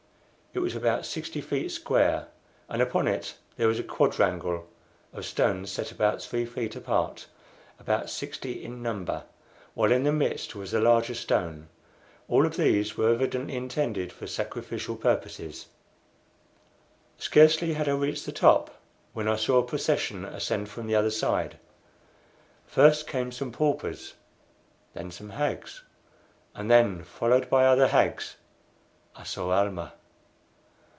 It was about sixty feet square, and upon it there was a quadrangle of stones set about three feet apart, about sixty in number, while in the midst was a larger stone. All of these were evidently intended for sacrificial purposes. Scarcely had I reached the top when I saw a procession ascend from the other side. First came some paupers, then some hags, and then, followed by other hags, I saw Almah.